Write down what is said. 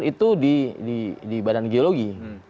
itu di badan geologi